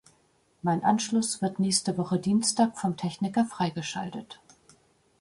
Mein Anschluss wird nächste Woche Dienstag vom Techniker freigeschaltet.